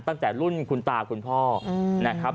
ตั้งแต่รุ่นคุณตาคุณพ่อนะครับ